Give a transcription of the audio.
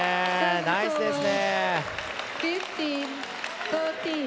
ナイスですね！